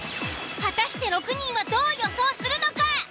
果たして６人はどう予想するのか？